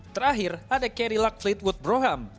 terakhir ada cadillac fleetwood braham